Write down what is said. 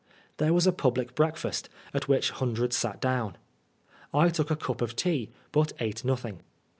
There was a public breakfast, at which hundreds sat down. I took a cup of tea, but ate nothing.